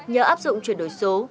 nhờ áp dụng chuyển đổi số